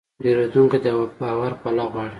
پیرودونکی د باور پله غواړي.